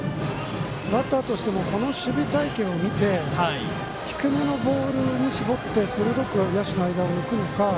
バッターとしてもこの守備隊形を見て低めのボールに絞って鋭く野手の間を抜くのか。